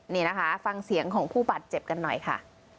นี่นะคะฟังเสียงของผู้บาดเจ็บกันหน่อยค่ะ